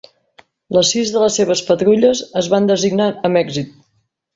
Les sis de les seves patrulles es van designar amb èxit.